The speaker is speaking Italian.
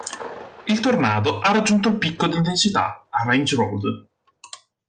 Il tornado ha raggiunto il picco di intensità a Range Road.